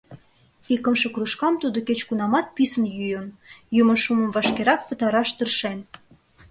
Икымше кружкам тудо кеч-кунамат писын йӱын, йӱмӧ шумым вашкерак пытараш тыршен.